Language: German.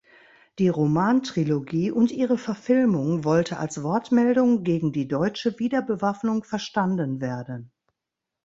Die Roman-Trilogie und ihre Verfilmung wollte als Wortmeldung gegen die deutsche Wiederbewaffnung verstanden werden.